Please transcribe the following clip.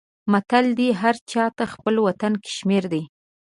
متل دی: هر چاته خپل وطن کشمیر دی.